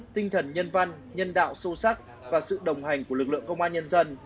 liên văn nhân đạo sâu sắc và sự đồng hành của lực lượng công an nhân dân